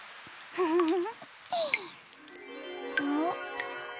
ウフフフ。